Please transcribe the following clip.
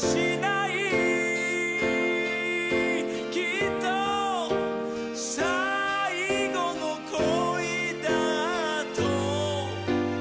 「きっと最後の恋だと思うから」